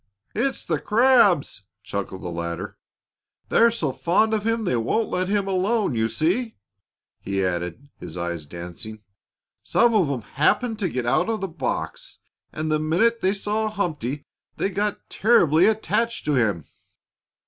"It's the crabs," chuckled the latter. "They're so fond of him they won't let him alone. You see," he added, his eyes dancing, "some of 'em happened to get out of the box, and the minute they saw Humpty they got terribly attached to him."